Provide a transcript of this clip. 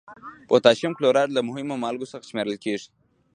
پوتاشیم کلورایډ له مهمو مالګو څخه شمیرل کیږي.